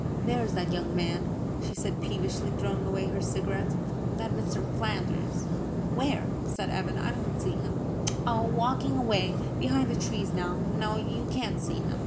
"There is that young man," she said, peevishly, throwing away her cigarette, "that Mr. Flanders." "Where?" said Evan. "I don't see him." "Oh, walking away behind the trees now. No, you can't see him.